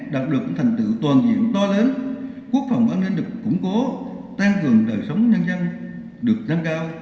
đạt được những thành tựu toàn diện to lớn quốc phòng an ninh được củng cố tăng cường đời sống nhân dân được nâng cao